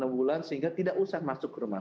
enam bulan sehingga tidak usah masuk ke rumah